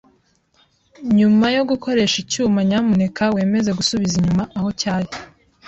Nyuma yo gukoresha icyuma, nyamuneka wemeze gusubiza inyuma aho cyari.